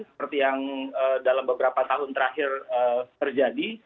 seperti yang dalam beberapa tahun terakhir terjadi